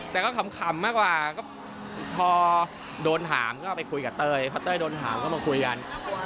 แต่ก็ขำมากกว่าก็พอโดนถามก็ไปคุยกับเต้ยพอเต้ยโดนถามก็มาคุยกัน